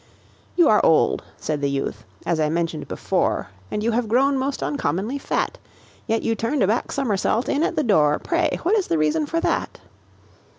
"You are old," said the youth, "as I mentioned before, And you have grown most uncommonly fat; Yet you turned a back somersault in at the door Pray what is the reason for that?"